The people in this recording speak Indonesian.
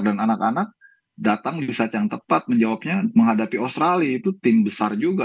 dan anak anak datang di saat yang tepat menjawabnya menghadapi australia itu tim besar juga